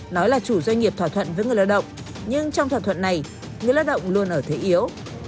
nói là chủ doanh nghiệp thỏa thuận với người lao động nhưng trong thỏa thuận này người lao động luôn ở thế yếu